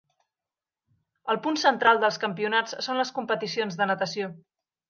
El punt central dels campionats són les competicions de natació.